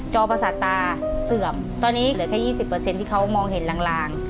อประสาทตาเสื่อมตอนนี้เหลือแค่๒๐ที่เขามองเห็นลาง